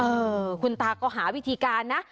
เออคุณตาก็หาวิธีการนะ